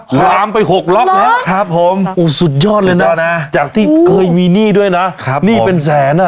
ลามไป๖ล็อกแล้วครับผมสุดยอดเลยนะจากที่เคยมีหนี้ด้วยนะหนี้เป็นแสนอ่ะ